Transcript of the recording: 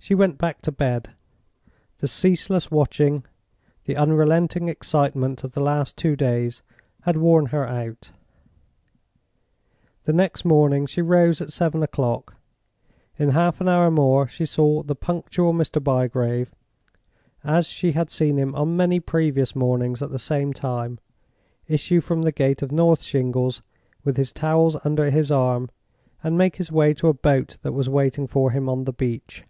She went back to bed. The ceaseless watching, the unrelaxing excitement of the last two days, had worn her out. The next morning she rose at seven o'clock. In half an hour more she saw the punctual Mr. Bygrave—as she had seen him on many previous mornings at the same time—issue from the gate of North Shingles, with his towels under his arm, and make his way to a boat that was waiting for him on the beach.